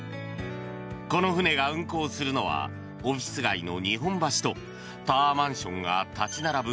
この船が運航するのはオフィス街の日本橋とタワーマンションが立ち並ぶ